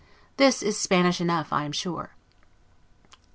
This is Spanish enough, I am sure.